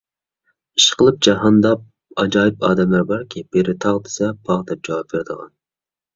ئىشقىلىپ جاھاندا ئاجايىپ ئادەملەر باركى، بىرى تاغ دېسە، باغ دەپ جاۋاب بېرىدىغان.